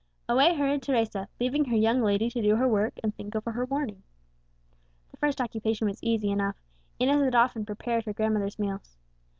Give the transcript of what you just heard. Away hurried Teresa, leaving her young lady to do her work and think over her warning. The first occupation was easy enough: Inez had often prepared her grandmother's meals.